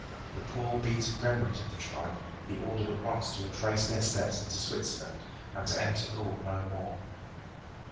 The poor beaten remnant of the tribe he ordered at once to retrace their steps into Switzerland and to enter Gaul no more.